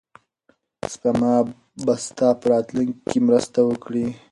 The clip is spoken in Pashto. سپما به ستا په راتلونکي کې مرسته وکړي.